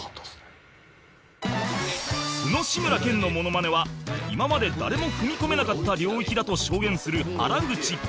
素の志村けんのモノマネは今まで誰も踏み込めなかった領域だと証言する原口